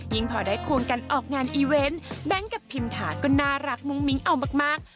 พอได้คูณกันออกงานอีเวนต์แบงค์กับพิมถาก็น่ารักมุ้งมิ้งเอามาก